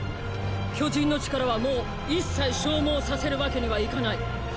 巨人の力はもう一切消耗させるわけにはいかない！！